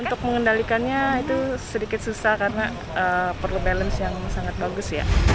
untuk mengendalikannya itu sedikit susah karena perlu balance yang sangat bagus ya